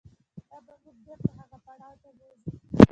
دا به مو بېرته هغه پړاو ته بوځي.